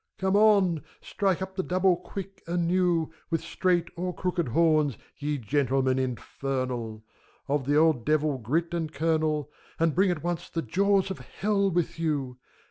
Come on ! Strike up the double quick, anew, With straight or crooked horns, ye gentlemen infernal ! Of the old Devil grit and kernel, And bring at once the Jaws of Hell with you